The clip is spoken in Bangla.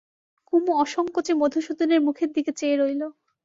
কুমু অসংকোচে মধুসূদনের মুখের দিকে চেয়ে রইল।